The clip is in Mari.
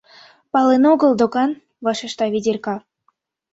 — Пален огыл докан, — вашешта Ведерка.